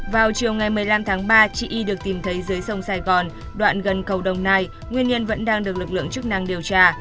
vào chiều ngày một mươi năm tháng ba chị y được tìm thấy dưới sông sài gòn đoạn gần cầu đồng nai nguyên nhân vẫn đang được lực lượng chức năng điều tra